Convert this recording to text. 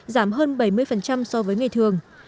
giảm hơn bảy mươi so với ngày thường